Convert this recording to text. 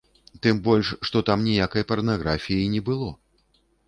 Тым больш, што там ніякай парнаграфіі і не было.